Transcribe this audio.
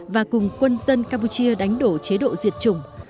và cùng quân dân campuchia đánh đổ chế độ diệt chủng